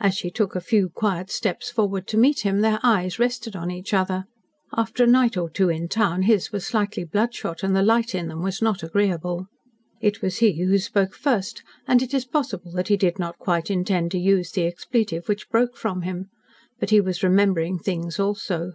As she took a few quiet steps forward to meet him, their eyes rested on each other. After a night or two in town his were slightly bloodshot, and the light in them was not agreeable. It was he who spoke first, and it is possible that he did not quite intend to use the expletive which broke from him. But he was remembering things also.